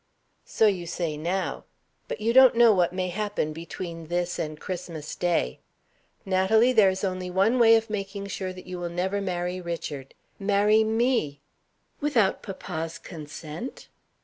"So you say now; but you don't know what may happen between this and Christmas day. Natalie, there is only one way of making sure that you will never marry Richard. Marry me." "Without papa's consent?"